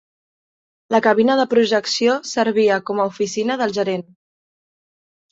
La cabina de projecció servia com a oficina del gerent.